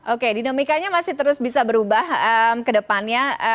oke dinamikanya masih terus bisa berubah ke depannya